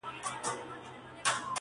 اشنا پوښتني ته مي راسه!.